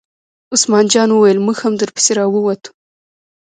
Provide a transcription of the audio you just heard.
عثمان جان وویل: موږ هم در پسې را ووتو.